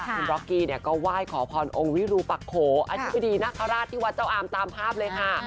คุณร็อกกี้เนี่ยก็ไหว้ขอพรองค์วิรูปักโขออธิบดีนคราชที่วัดเจ้าอามตามภาพเลยค่ะ